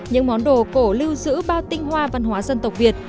những món đồ cổ lưu giữ bao tinh hoa văn hóa dân tộc việt